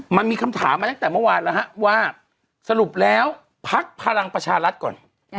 มันมีคำถามมาตั้งแต่เมื่อวานแล้วฮะว่าสรุปแล้วพักพลังประชารัฐก่อน